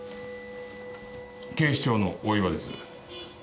警視庁の大岩です。